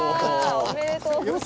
おめでとうございます。